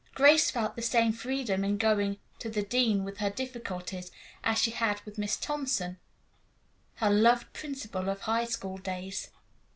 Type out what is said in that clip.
Grace felt the same freedom in going to the dean with her difficulties as she had with Miss Thompson, her loved principal of high school days.